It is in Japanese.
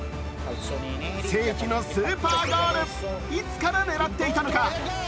世紀のスーパーゴール、いつから狙っていたのか。